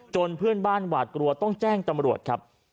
เพื่อนบ้านหวาดกลัวต้องแจ้งตำรวจครับ